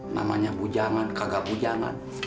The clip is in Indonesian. namanya bujangan kagak bujangan